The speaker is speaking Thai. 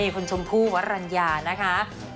คุณชมพู่วรรณญานะคะ